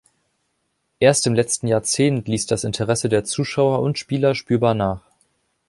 Erst im letzten Jahrzehnt ließ das Interesse der Zuschauer und Spieler spürbar nach.